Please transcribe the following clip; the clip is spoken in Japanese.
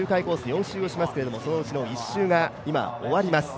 ４周をしますけれども、そのうちの１周が今、終わります。